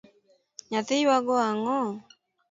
Nyathi ywago ang’o?